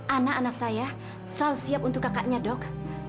anak anak saya selalu siap untuk kakaknya dok